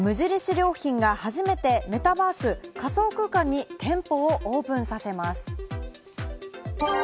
良品が初めてメタバース＝仮想空間に店舗をオープンさせます。